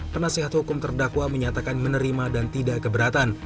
penasehat hukum terdakwa menyatakan menerima dan tidak keberatan